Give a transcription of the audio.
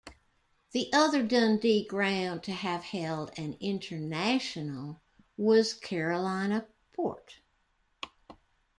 The other Dundee ground to have held an international was Carolina Port.